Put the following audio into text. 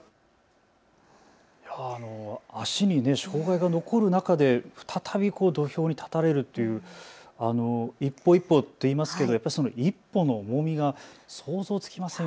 足に障害が残る中で再び土俵に立たれるっていう、一歩一歩といいますけどその一歩の重みが想像つきません。